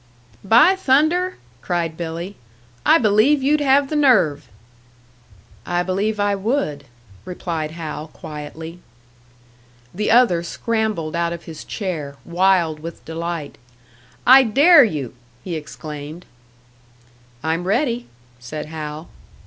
"By thunder!" cried Billy. "I believe you'd have the nerve!" "I believe I would," replied Hal, quietly. The other scrambled out of his chair, wild with delight. "I dare you!" he exclaimed. "I'm ready," said Hal.